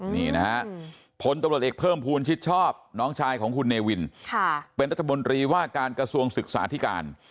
นี่นะฮะพลตำรวจเอกเพิ่มภูมิชิดชอบน้องชายของคุณเนวินเป็นรัฐมนตรีว่าการกระทรวงศึกษาธิการ